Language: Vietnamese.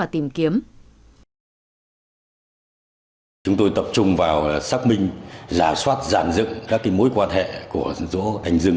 từ bố nạn nhân